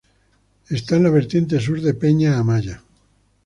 Está en la vertiente sur de Peña Amaya.